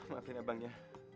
maafin abang ya